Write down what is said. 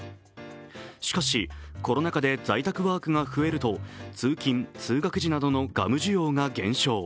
しかし、コロナ禍で在宅ワークが増えると、通勤通学時などのガム需要が減少。